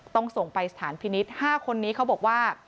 ต้องส่งไปสถานพินิษฐ์๕คนนี้เขาบอกว่า